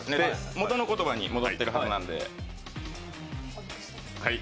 元の言葉に戻ってるはずなんで。